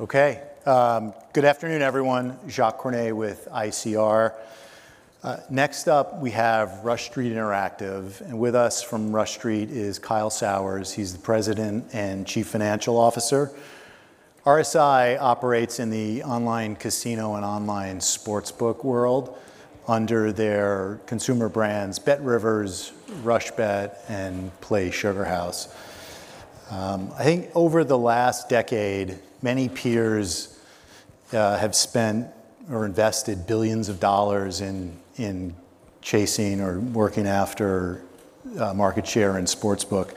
Okay, good afternoon, everyone. Jacques Cornet with ICR. Next up, we have Rush Street Interactive. And with us from Rush Street is Kyle Sauers. He's the President and Chief Financial Officer. RSI operates in the online casino and online sportsbook world under their consumer brands BetRivers, RushBet, and PlaySugarHouse. I think over the last decade, many peers have spent or invested billions of dollars in chasing or working after market share in sportsbook.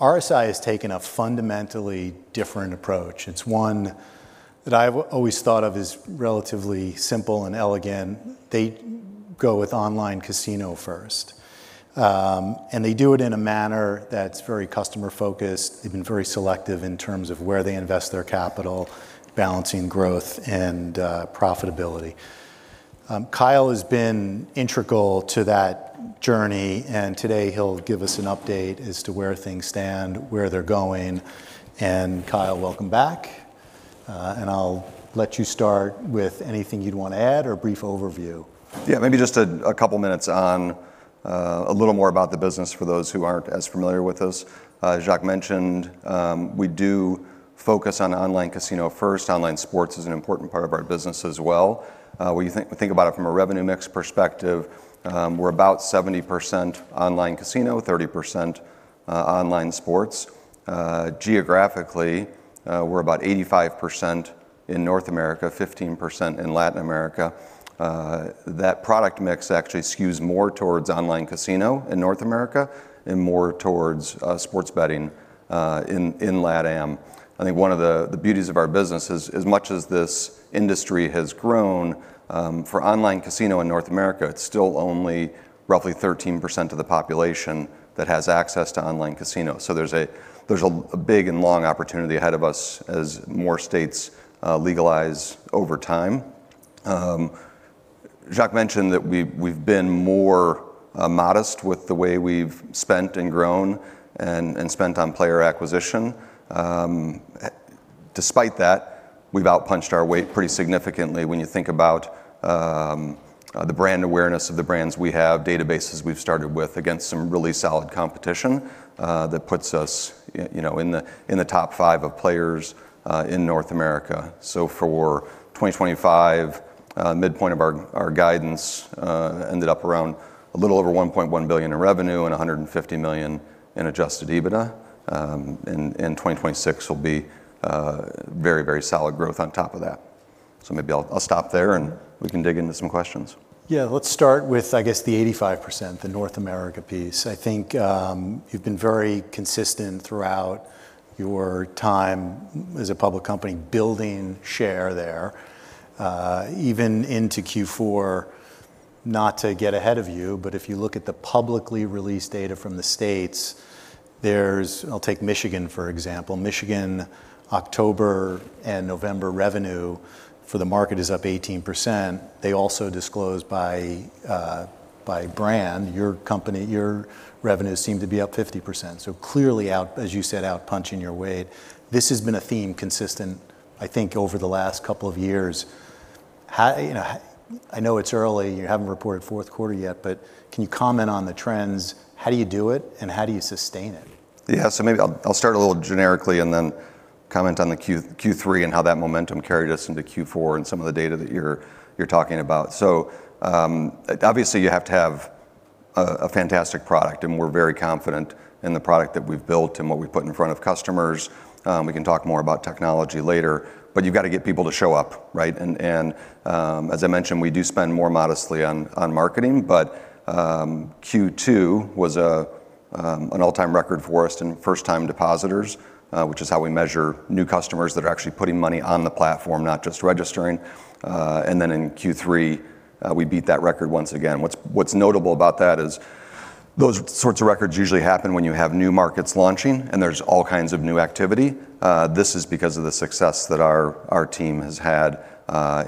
RSI has taken a fundamentally different approach. It's one that I've always thought of as relatively simple and elegant. They go with online casino first. And they do it in a manner that's very customer-focused. They've been very selective in terms of where they invest their capital, balancing growth and profitability. Kyle has been integral to that journey. And today, he'll give us an update as to where things stand, where they're going. Kyle, welcome back. I'll let you start with anything you'd want to add or a brief overview. Yeah, maybe just a couple of minutes on a little more about the business for those who aren't as familiar with us. Jacques mentioned we do focus on online casino first. Online sports is an important part of our business as well. We think about it from a revenue mix perspective. We're about 70% online casino, 30% online sports. Geographically, we're about 85% in North America, 15% in Latin America. That product mix actually skews more towards online casino in North America and more towards sports betting in LATAM. I think one of the beauties of our business is, as much as this industry has grown, for online casino in North America, it's still only roughly 13% of the population that has access to online casino. So there's a big and long opportunity ahead of us as more states legalize over time. Jacques mentioned that we've been more modest with the way we've spent and grown and spent on player acquisition. Despite that, we've outpunched our weight pretty significantly when you think about the brand awareness of the brands we have, databases we've started with against some really solid competition that puts us in the top five of players in North America. So for 2025, midpoint of our guidance ended up around a little over $1.1 billion in revenue and $150 million in Adjusted EBITDA. And 2026 will be very, very solid growth on top of that. So maybe I'll stop there, and we can dig into some questions. Yeah, let's start with, I guess, the 85%, the North America piece. I think you've been very consistent throughout your time as a public company building share there, even into Q4. Not to get ahead of you, but if you look at the publicly released data from the states, there's. I'll take Michigan, for example. Michigan October and November revenue for the market is up 18%. They also disclosed by brand, your revenues seem to be up 50%. So clearly, as you said, outpunching your weight. This has been a theme consistent, I think, over the last couple of years. I know it's early. You haven't reported fourth quarter yet, but can you comment on the trends? How do you do it, and how do you sustain it? Yeah, so maybe I'll start a little generically and then comment on the Q3 and how that momentum carried us into Q4 and some of the data that you're talking about. So obviously, you have to have a fantastic product. And we're very confident in the product that we've built and what we put in front of customers. We can talk more about technology later. But you've got to get people to show up, right? And as I mentioned, we do spend more modestly on marketing. But Q2 was an all-time record for us in first-time depositors, which is how we measure new customers that are actually putting money on the platform, not just registering. And then in Q3, we beat that record once again. What's notable about that is those sorts of records usually happen when you have new markets launching, and there's all kinds of new activity. This is because of the success that our team has had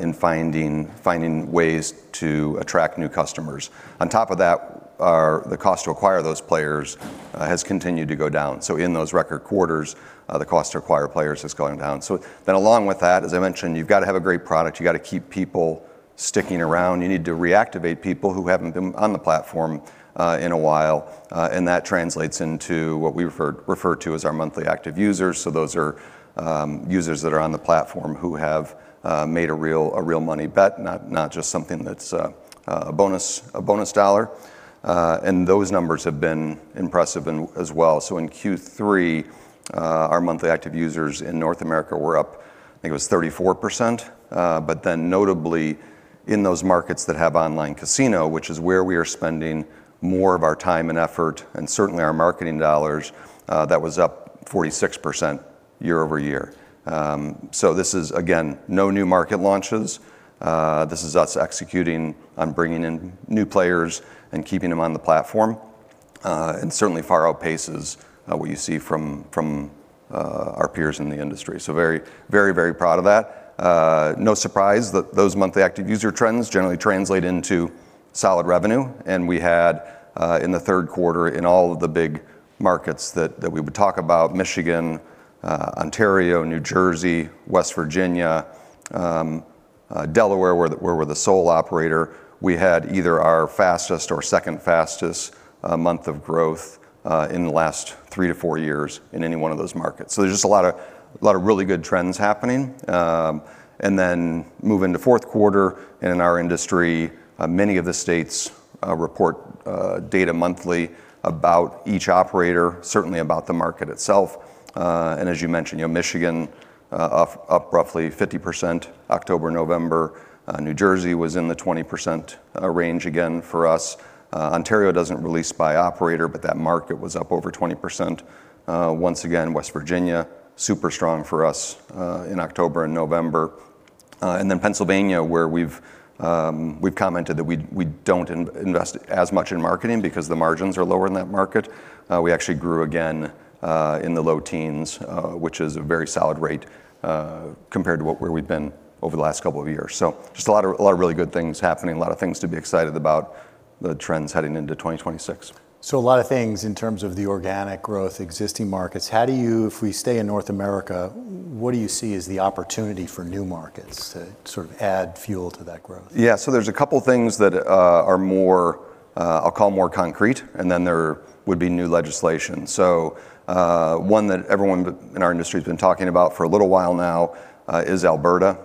in finding ways to attract new customers. On top of that, the cost to acquire those players has continued to go down. So in those record quarters, the cost to acquire players has gone down. So then along with that, as I mentioned, you've got to have a great product. You've got to keep people sticking around. You need to reactivate people who haven't been on the platform in a while. And that translates into what we refer to as our monthly active users. So those are users that are on the platform who have made a real money bet, not just something that's a bonus dollar. And those numbers have been impressive as well. So in Q3, our monthly active users in North America were up, I think it was 34%. But then notably, in those markets that have online casino, which is where we are spending more of our time and effort and certainly our marketing dollars, that was up 46% year-over-year. So this is, again, no new market launches. This is us executing on bringing in new players and keeping them on the platform. And certainly far outpaces what you see from our peers in the industry. So very, very, very proud of that. No surprise that those monthly active user trends generally translate into solid revenue. And we had in the third quarter in all of the big markets that we would talk about, Michigan, Ontario, New Jersey, West Virginia, Delaware, where we're the sole operator, we had either our fastest or second fastest month of growth in the last three to four years in any one of those markets. There's just a lot of really good trends happening. And then move into fourth quarter. And in our industry, many of the states report data monthly about each operator, certainly about the market itself. And as you mentioned, Michigan up roughly 50% October, November. New Jersey was in the 20% range again for us. Ontario doesn't release by operator, but that market was up over 20%. Once again, West Virginia, super strong for us in October and November. And then Pennsylvania, where we've commented that we don't invest as much in marketing because the margins are lower in that market. We actually grew again in the low teens, which is a very solid rate compared to where we've been over the last couple of years. So just a lot of really good things happening, a lot of things to be excited about, the trends heading into 2026. A lot of things in terms of the organic growth, existing markets. How do you, if we stay in North America, what do you see as the opportunity for new markets to sort of add fuel to that growth? Yeah, so there's a couple of things that are more. I'll call more concrete. And then there would be new legislation. So one that everyone in our industry has been talking about for a little while now is Alberta,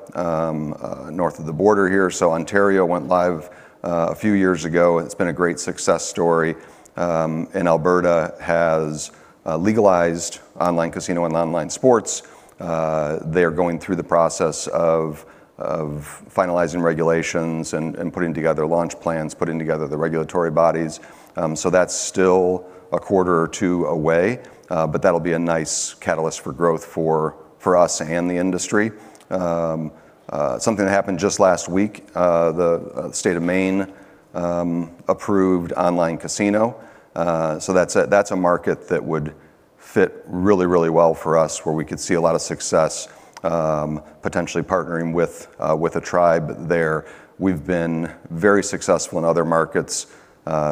north of the border here. So Ontario went live a few years ago. And it's been a great success story. And Alberta has legalized online casino and online sports. They are going through the process of finalizing regulations and putting together launch plans, putting together the regulatory bodies. So that's still a quarter or two away. But that'll be a nice catalyst for growth for us and the industry. Something that happened just last week. The state of Maine approved online casino. So that's a market that would fit really, really well for us, where we could see a lot of success, potentially partnering with a tribe there. We've been very successful in other markets.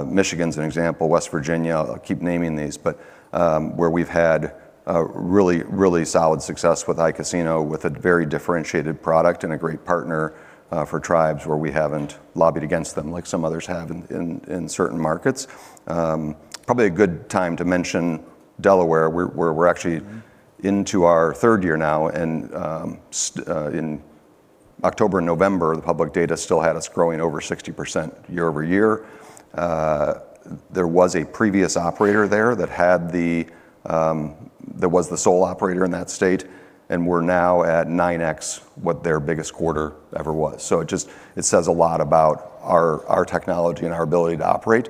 Michigan's an example, West Virginia. I'll keep naming these, but where we've had really, really solid success with iCasino, with a very differentiated product and a great partner for tribes where we haven't lobbied against them like some others have in certain markets. Probably a good time to mention Delaware, where we're actually into our third year now, and in October and November, the public data still had us growing over 60% year over year. There was a previous operator there that was the sole operator in that state, and we're now at 9x what their biggest quarter ever was, so it says a lot about our technology and our ability to operate,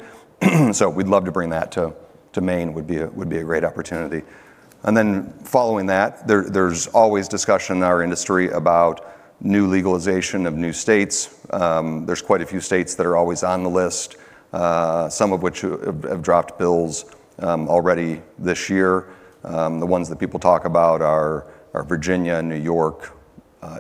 so we'd love to bring that to Maine would be a great opportunity, and then following that, there's always discussion in our industry about new legalization of new states. There's quite a few states that are always on the list, some of which have dropped bills already this year. The ones that people talk about are Virginia, New York,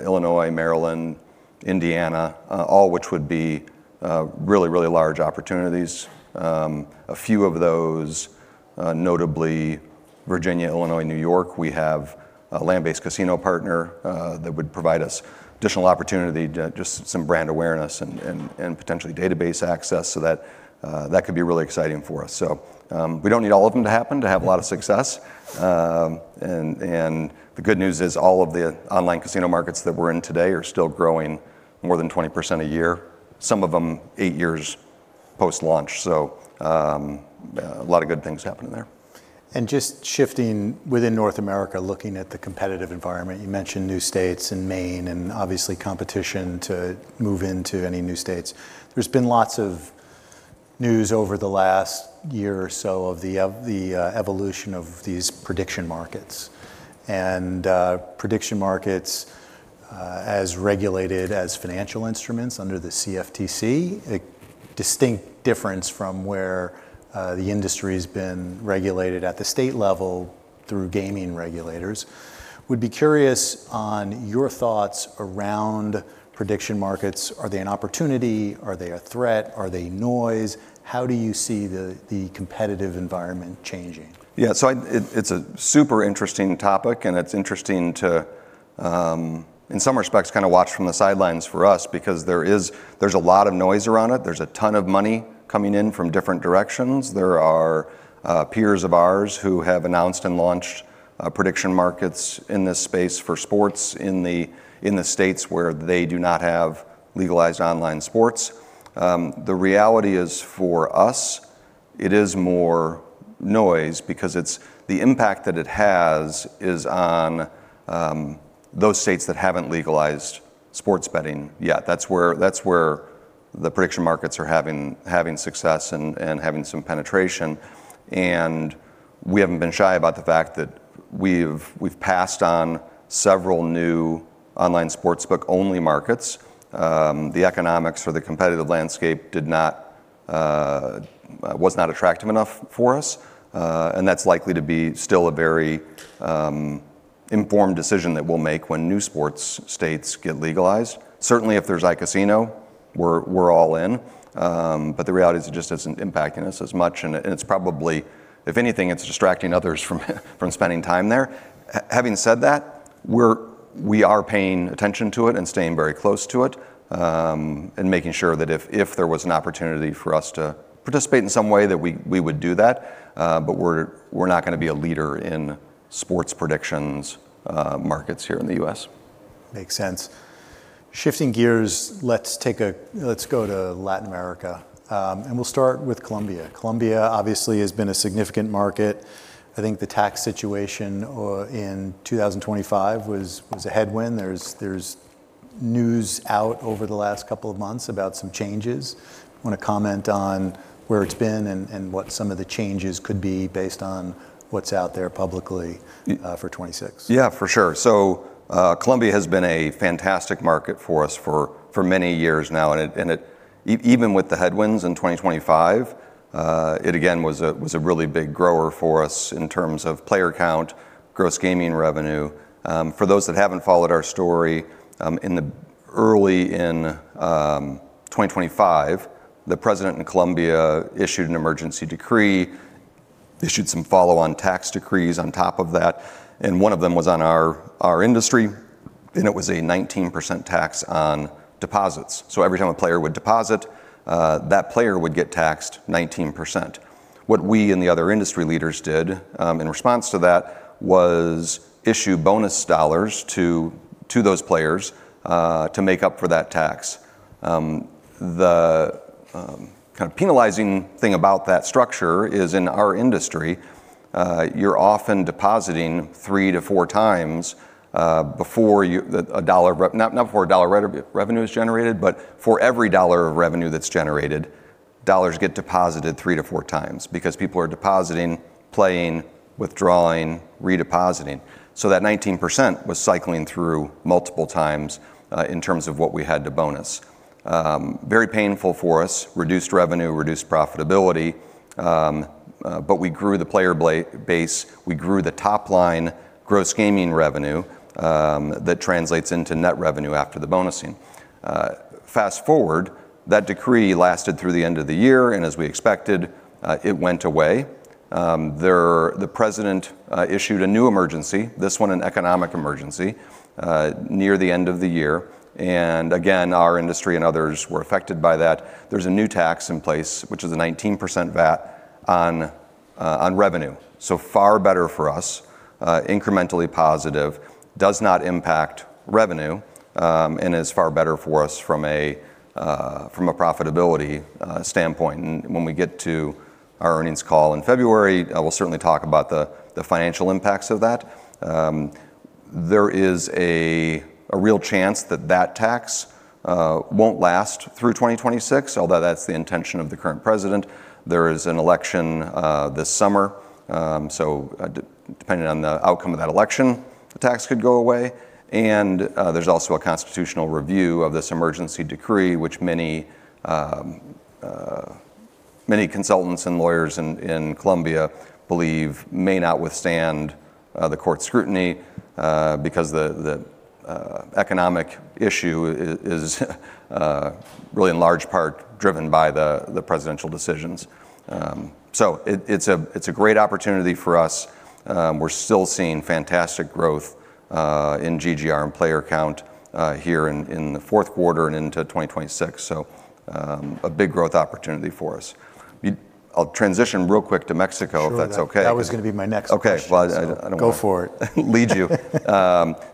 Illinois, Maryland, Indiana, all which would be really, really large opportunities. A few of those, notably Virginia, Illinois, New York, we have a land-based casino partner that would provide us additional opportunity, just some brand awareness and potentially database access. So that could be really exciting for us. So we don't need all of them to happen to have a lot of success. And the good news is all of the online casino markets that we're in today are still growing more than 20% a year, some of them eight years post-launch. So a lot of good things happening there. And just shifting within North America, looking at the competitive environment, you mentioned new states and Maine and obviously competition to move into any new states. There's been lots of news over the last year or so of the evolution of these prediction markets. And prediction markets, as regulated as financial instruments under the CFTC, a distinct difference from where the industry has been regulated at the state level through gaming regulators. Would be curious on your thoughts around prediction markets. Are they an opportunity? Are they a threat? Are they noise? How do you see the competitive environment changing? Yeah, so it's a super interesting topic. And it's interesting to, in some respects, kind of watch from the sidelines for us because there's a lot of noise around it. There's a ton of money coming in from different directions. There are peers of ours who have announced and launched prediction markets in this space for sports in the states where they do not have legalized online sports. The reality is for us, it is more noise because the impact that it has is on those states that haven't legalized sports betting yet. That's where the prediction markets are having success and having some penetration. And we haven't been shy about the fact that we've passed on several new online sports, but only markets. The economics for the competitive landscape was not attractive enough for us. And that's likely to be still a very informed decision that we'll make when new sports states get legalized. Certainly, if there's iCasino, we're all in. But the reality is it just isn't impacting us as much. And it's probably, if anything, it's distracting others from spending time there. Having said that, we are paying attention to it and staying very close to it and making sure that if there was an opportunity for us to participate in some way, that we would do that. But we're not going to be a leader in sports prediction markets here in the U.S. Makes sense. Shifting gears, let's go to Latin America. And we'll start with Colombia. Colombia, obviously, has been a significant market. I think the tax situation in 2025 was a headwind. There's news out over the last couple of months about some changes. Want to comment on where it's been and what some of the changes could be based on what's out there publicly for 2026? Yeah, for sure. So Colombia has been a fantastic market for us for many years now. And even with the headwinds in 2025, it again was a really big grower for us in terms of player count, gross gaming revenue. For those that haven't followed our story, early in 2025, the president in Colombia issued an emergency decree, issued some follow-on tax decrees on top of that. And one of them was on our industry. And it was a 19% tax on deposits. So every time a player would deposit, that player would get taxed 19%. What we and the other industry leaders did in response to that was issue bonus dollars to those players to make up for that tax. The kind of penalizing thing about that structure is in our industry, you're often depositing three to four times before a dollar, not before a dollar revenue is generated, but for every dollar of revenue that's generated, dollars get deposited three to four times because people are depositing, playing, withdrawing, redepositing, so that 19% was cycling through multiple times in terms of what we had to bonus. Very painful for us, reduced revenue, reduced profitability, but we grew the player base. We grew the top line gross gaming revenue that translates into net revenue after the bonusing. Fast forward, that decree lasted through the end of the year, and as we expected, it went away. The president issued a new emergency, this one an economic emergency, near the end of the year, and again, our industry and others were affected by that. There's a new tax in place, which is a 19% VAT on revenue. So far, better for us, incrementally positive, does not impact revenue, and is far better for us from a profitability standpoint. And when we get to our earnings call in February, we'll certainly talk about the financial impacts of that. There is a real chance that that tax won't last through 2026, although that's the intention of the current president. There is an election this summer. So depending on the outcome of that election, the tax could go away. And there's also a constitutional review of this emergency decree, which many consultants and lawyers in Colombia believe may not withstand the court's scrutiny because the economic issue is really in large part driven by the presidential decisions. So it's a great opportunity for us. We're still seeing fantastic growth in GGR and player count here in the fourth quarter and into 2026. So a big growth opportunity for us. I'll transition real quick to Mexico, if that's OK. Sure. That was going to be my next question. OK, go for it. Lead you.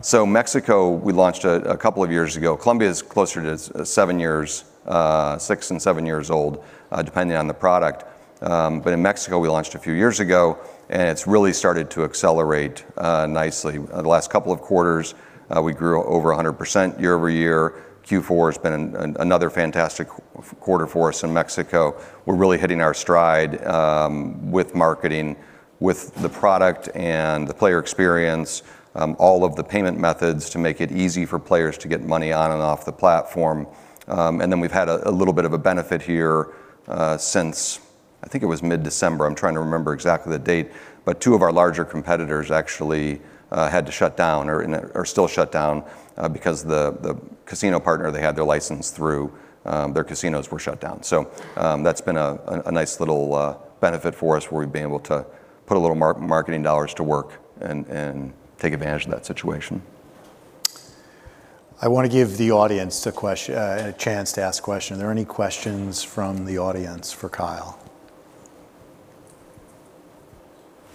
So, Mexico, we launched a couple of years ago. Colombia is closer to six and seven years old, depending on the product. But in Mexico, we launched a few years ago. And it's really started to accelerate nicely. The last couple of quarters, we grew over 100% year-over-year. Q4 has been another fantastic quarter for us in Mexico. We're really hitting our stride with marketing, with the product and the player experience, all of the payment methods to make it easy for players to get money on and off the platform. And then we've had a little bit of a benefit here since, I think it was mid-December. I'm trying to remember exactly the date. But two of our larger competitors actually had to shut down or still shut down because the casino partner they had their license through, their casinos were shut down. So that's been a nice little benefit for us where we've been able to put a little marketing dollars to work and take advantage of that situation. I want to give the audience a chance to ask a question. Are there any questions from the audience for Kyle?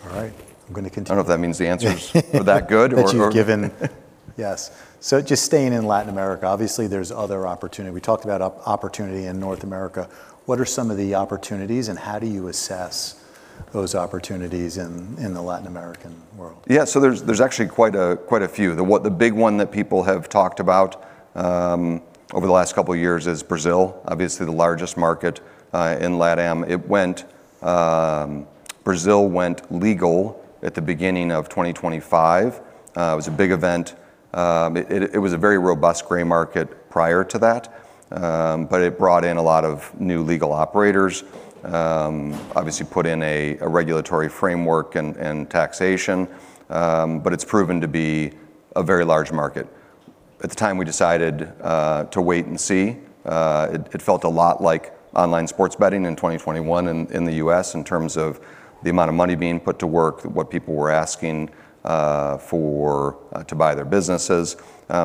All right. I'm going to continue. I don't know if that means the answer is that good. Yes. So just staying in Latin America, obviously, there's other opportunity. We talked about opportunity in North America. What are some of the opportunities, and how do you assess those opportunities in the Latin American world? Yeah, so there's actually quite a few. The big one that people have talked about over the last couple of years is Brazil, obviously the largest market in LATAM. Brazil went legal at the beginning of 2025. It was a big event. It was a very robust gray market prior to that. But it brought in a lot of new legal operators, obviously put in a regulatory framework and taxation. But it's proven to be a very large market. At the time, we decided to wait and see. It felt a lot like online sports betting in 2021 in the U.S. in terms of the amount of money being put to work, what people were asking for to buy their businesses.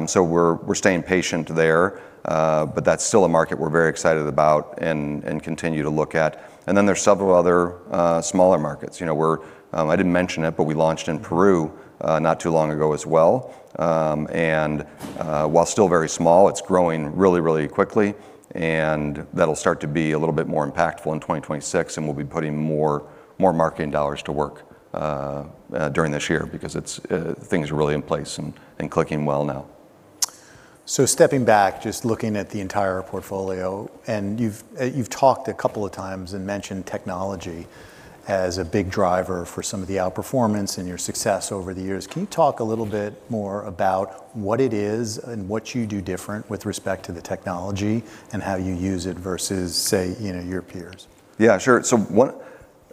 So we're staying patient there. But that's still a market we're very excited about and continue to look at. And then there's several other smaller markets. I didn't mention it, but we launched in Peru not too long ago as well, and while still very small, it's growing really, really quickly. That'll start to be a little bit more impactful in 2026, and we'll be putting more marketing dollars to work during this year because things are really in place and clicking well now. So, stepping back, just looking at the entire portfolio, and you've talked a couple of times and mentioned technology as a big driver for some of the outperformance and your success over the years. Can you talk a little bit more about what it is and what you do different with respect to the technology and how you use it versus, say, your peers? Yeah, sure. So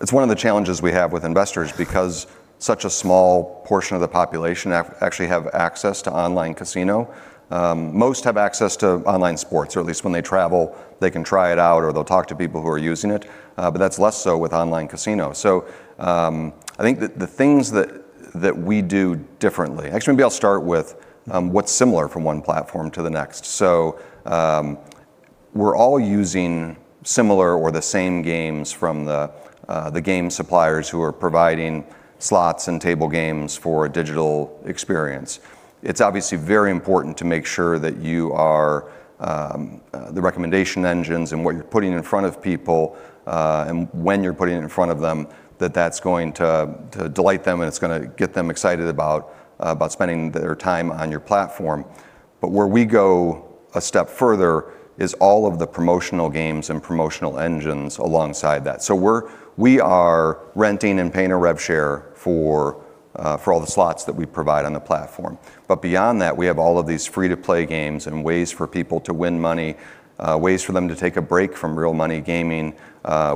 it's one of the challenges we have with investors because such a small portion of the population actually have access to online casino. Most have access to online sports. Or at least when they travel, they can try it out or they'll talk to people who are using it. But that's less so with online casino. So I think the things that we do differently, actually, maybe I'll start with what's similar from one platform to the next. So we're all using similar or the same games from the game suppliers who are providing slots and table games for a digital experience. It's obviously very important to make sure that you are the recommendation engines and what you're putting in front of people and when you're putting it in front of them, that that's going to delight them and it's going to get them excited about spending their time on your platform. But where we go a step further is all of the promotional games and promotional engines alongside that. So we are renting and paying a rev share for all the slots that we provide on the platform. But beyond that, we have all of these free-to-play games and ways for people to win money, ways for them to take a break from real money gaming,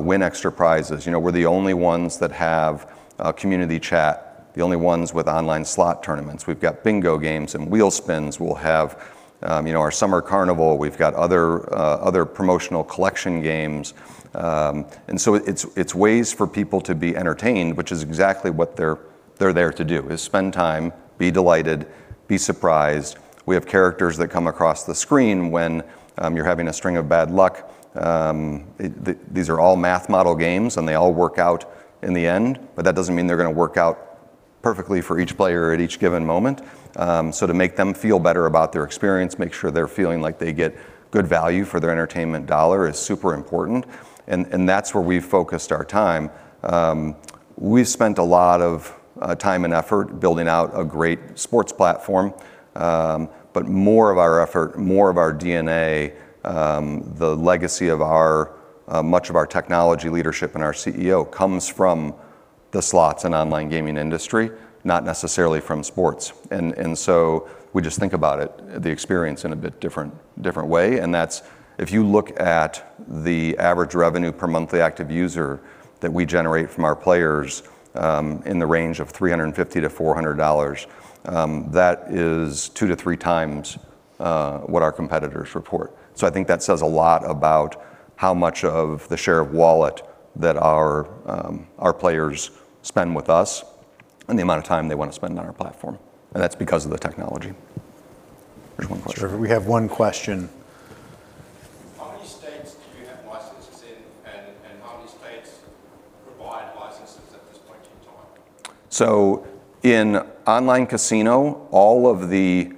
win extra prizes. We're the only ones that have community chat, the only ones with online slot tournaments. We've got bingo games and wheel spins. We'll have our summer carnival. We've got other promotional collection games, and so it's ways for people to be entertained, which is exactly what they're there to do, is spend time, be delighted, be surprised. We have characters that come across the screen when you're having a string of bad luck. These are all math model games, and they all work out in the end, but that doesn't mean they're going to work out perfectly for each player at each given moment, so to make them feel better about their experience, make sure they're feeling like they get good value for their entertainment dollar is super important, and that's where we've focused our time. We've spent a lot of time and effort building out a great sports platform. But more of our effort, more of our DNA, the legacy of much of our technology leadership and our CEO comes from the slots and online gaming industry, not necessarily from sports. And so we just think about the experience in a bit different way. And if you look at the average revenue per monthly active user that we generate from our players in the range of $350-$400, that is two to three times what our competitors report. So I think that says a lot about how much of the share of wallet that our players spend with us and the amount of time they want to spend on our platform. And that's because of the technology. There's one question. Sure. We have one question. How many states do you have licenses in, and how many states provide licenses at this point in time? In online casino, all of the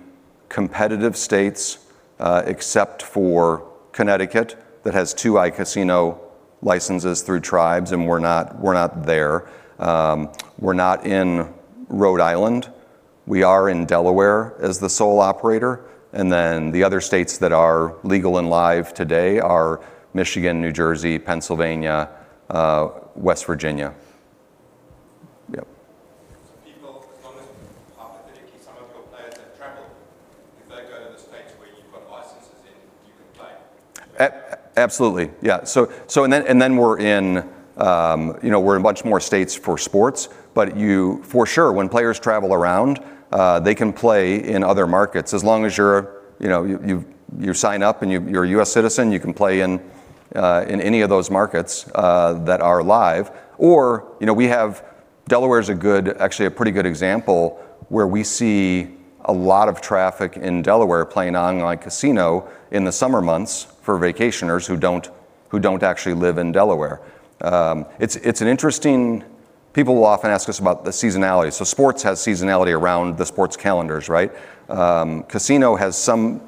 competitive states, except for Connecticut, that has two iCasino licenses through Tribes, and we're not there. We're not in Rhode Island. We are in Delaware as the sole operator. Then the other states that are legal and live today are Michigan, New Jersey, Pennsylvania, West Virginia. Yep. So, people are, hypothetically, some of your players have traveled. If they go to the states where you've got licenses in, you can play. Absolutely. Yeah, and then we're in much more states for sports, but for sure, when players travel around, they can play in other markets. As long as you sign up and you're a U.S. citizen, you can play in any of those markets that are live, or we have Delaware is actually a pretty good example where we see a lot of traffic in Delaware playing online casino in the summer months for vacationers who don't actually live in Delaware. It's interesting. People will often ask us about the seasonality, so sports has seasonality around the sports calendars, right? Casino has some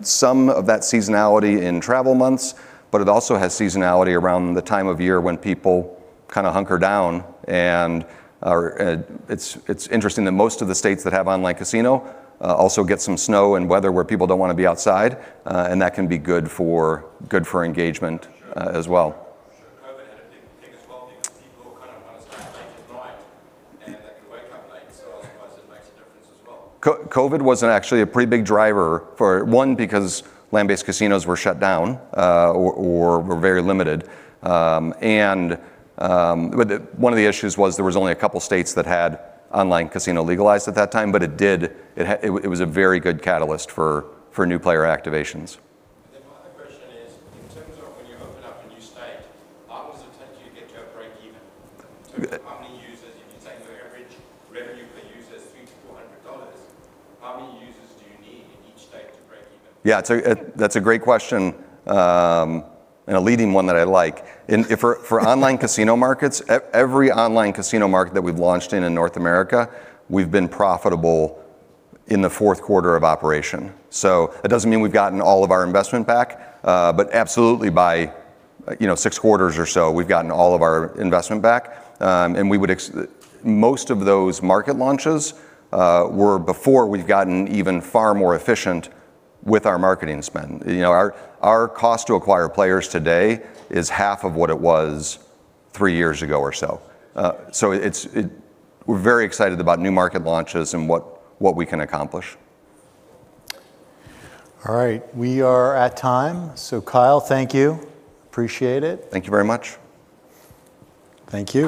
of that seasonality in travel months, but it also has seasonality around the time of year when people kind of hunker down, and it's interesting that most of the states that have online casino also get some snow and weather where people don't want to be outside. That can be good for engagement as well. COVID had a big thing as well because people kind of want to start playing at night. And you wake up late, so I suppose it makes a difference as well. COVID was actually a pretty big driver for one, because land-based casinos were shut down or were very limited. And one of the issues was there was only a couple of states that had online casino legalized at that time. But it was a very good catalyst for new player activations. Then my other question is, in terms of when you open up a new state, how long does it take you to get to a break-even? How many users, if you take your average revenue per user is $300-$400, how many users do you need in each state to break-even? Yeah, that's a great question and a leading one that I like. For online casino markets, every online casino market that we've launched in North America, we've been profitable in the fourth quarter of operation. So it doesn't mean we've gotten all of our investment back. But absolutely, by six quarters or so, we've gotten all of our investment back. And most of those market launches were before we've gotten even far more efficient with our marketing spend. Our cost to acquire players today is half of what it was three years ago or so. So we're very excited about new market launches and what we can accomplish. All right. We are at time. So Kyle, thank you. Appreciate it. Thank you very much. Thank you.